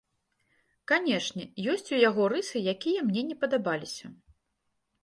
Канечне, ёсць у яго рысы, якія мне не падабаліся.